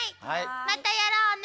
またやろうね。